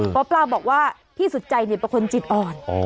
หมอปลาบอกว่าพี่สุดใจเป็นคนจิตอ่อน